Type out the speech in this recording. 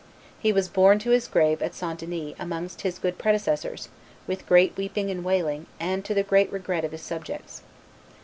He was borne to his grave at St. Denis amongst his good predecessors, with great weeping and wailing, and to the great regret of his subjects."